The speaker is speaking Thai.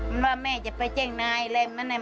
มันว่าแม่จะไปเจ้งนายอะไรแบบนั้น